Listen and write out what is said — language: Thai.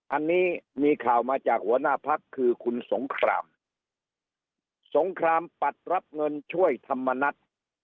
อันนี้มีข่าวมาจากหัวหน้าพักคือคุณสงครามสงครามปัดรับเงินช่วยธรรมนัฐ